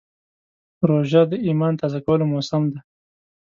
روژه د ایمان تازه کولو موسم دی.